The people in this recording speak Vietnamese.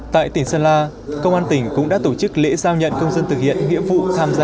tại tỉnh sơn la công an tỉnh cũng đã tổ chức lễ giao nhận công dân thực hiện nghĩa vụ tham gia